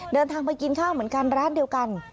เดินทางไปกินข้าวเหมือนกันร้านเดียวกัน